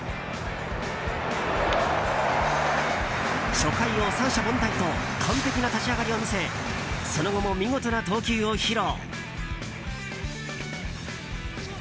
初回を三者凡退と完璧な立ち上がりを見せその後も、見事な投球を披露。